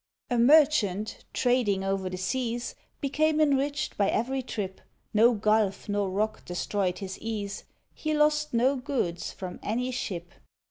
A merchant, trading o'er the seas, Became enriched by every trip. No gulf nor rock destroyed his ease; He lost no goods, from any ship.